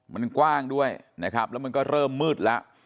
มันกว้างด้วยนะครับแล้วมันก็เริ่มมืดแล้ว